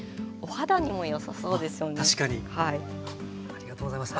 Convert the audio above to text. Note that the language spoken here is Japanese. ありがとうございます。